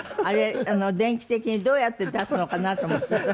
あれ電気的にどうやって出すのかなと思って。